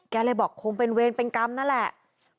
เลยบอกคงเป็นเวรเป็นกรรมนั่นแหละ